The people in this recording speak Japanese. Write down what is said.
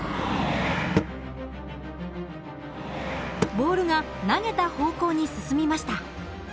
ボールが投げた方向に進みました。